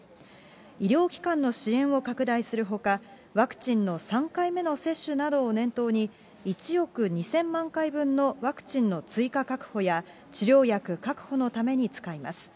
医療機関の支援を拡大するほか、ワクチンの３回目の接種などを念頭に、１億２０００万回分のワクチンの追加確保や、治療薬確保のために使います。